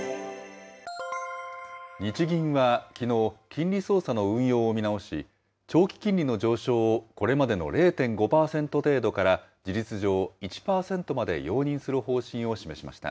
日銀はきのう、金利操作の運用を見直し、長期金利の上昇をこれまでの０．５％程度から事実上、１％まで容認する方針を示しました。